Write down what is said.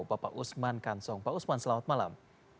bapak usman kansong pak usman selamat malam